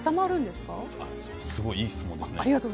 すごいいい質問ですね。